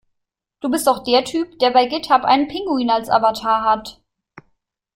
Du bist doch der Typ, der bei Github einen Pinguin als Avatar hat.